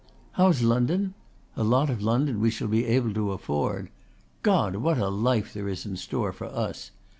"How's London? A lot of London we shall be able to afford! God! what a life there's in store for us!